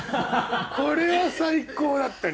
これは最高だったね。